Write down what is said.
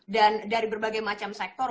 dan dari berbagai macam sektor